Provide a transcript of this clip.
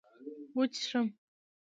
وچيښم